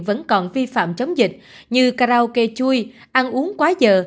vẫn còn vi phạm chống dịch như karaoke chui ăn uống quá giờ